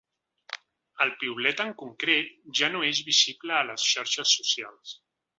El piulet en concret ja no és visible a les xarxes socials.